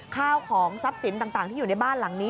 ข้าวของทรัพย์สินต่างที่อยู่ในบ้านหลังนี้